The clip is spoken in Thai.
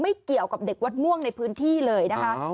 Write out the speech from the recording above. เกี่ยวกับเด็กวัดม่วงในพื้นที่เลยนะคะ